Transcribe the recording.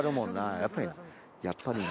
やっぱりなやっぱりな。